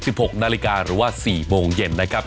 ๑๖๐๐นหรือว่า๑๖๐๐นนะครับ